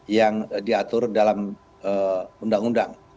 yang diatur dalam undang undang